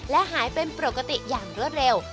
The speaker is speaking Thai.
และหายเป็นปกติอย่างรวดเร็ว